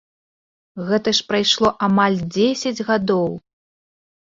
Гэта ж прайшло амаль дзесяць гадоў.